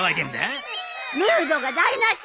ムードが台無し！